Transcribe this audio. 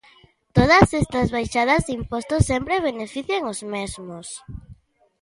Todas estas baixadas de impostos sempre benefician os mesmos.